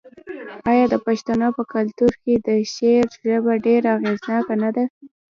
آیا د پښتنو په کلتور کې د شعر ژبه ډیره اغیزناکه نه ده؟